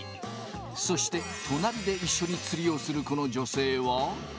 そして隣で一緒に釣りをするこの女性は。